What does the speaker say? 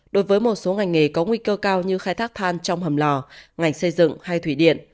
đối với một số ngành nghề có nguy cơ cao như khai thác than trong hầm lò ngành xây dựng hay thủy điện